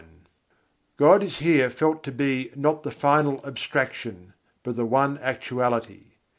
] God is here felt to be not the final abstraction, but the one actuality.